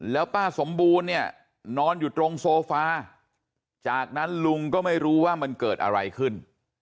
แล้วป้าสมบูรณ์เนี่ยนอนอยู่ตรงโซฟาจากนั้นลุงก็ไม่รู้ว่ามันเกิดอะไรขึ้น